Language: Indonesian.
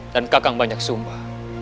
dan kakang banyak sumba